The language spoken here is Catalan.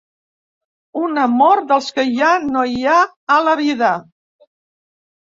Un amor dels que ja no hi ha a la vida.